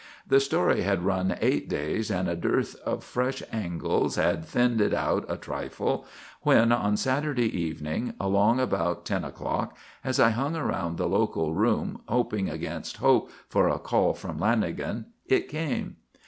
The story had run eight days and a dearth of fresh angles had thinned it out a trifle, when, on Saturday evening, along about ten o'clock, as I hung around the local room hoping against hope for a call from Lanagan, it came.